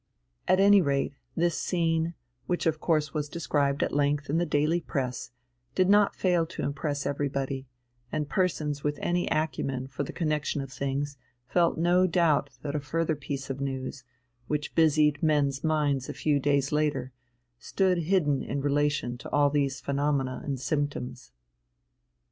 At any rate this scene, which of course was described at length in the daily press, did not fail to impress everybody, and persons with any acumen for the connexion of things felt no doubt that a further piece of news, which busied men's minds a few days later, stood in hidden relation to all these phenomena and symptoms.